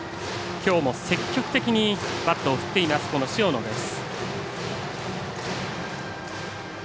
きょうも積極的にバットを振っています、塩野です。